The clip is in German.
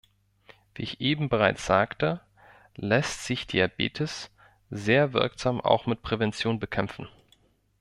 Wie ich eben bereits sagte, lässt sich Diabetes sehr wirksam auch mit Prävention bekämpfen.